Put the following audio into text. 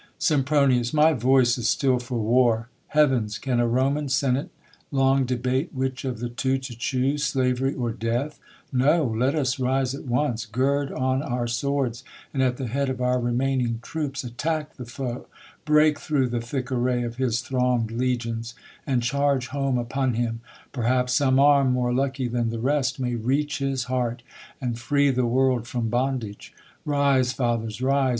Sempronius., My voice is still for war. Heav'ns ! can a Roman senate long debate Which of the two to choose, slav'ry or death ! No ; let us rise at once, gird on our swords, And at the head of our remaining troops, Y Attack ^e^ THE COLUMBIAN ORATOR. Attack the foe, break through the thick array Of his throng'd legions, and charge home upon him. Perhaps some arm, more lucky than the rest, May reach his heart, and free the world from bondage. Rise, fathers, rise!